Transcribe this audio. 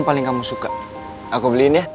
paling kamu suka aku beliin ya